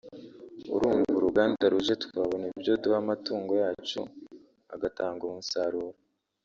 urumva uruganda ruje twabona ibyo duha amatungo yacu agatanga umusaruro